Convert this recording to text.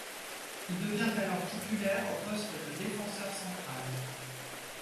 Il devient alors titulaire au poste de défenseur central.